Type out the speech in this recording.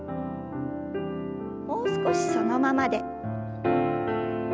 もう少しそのままで。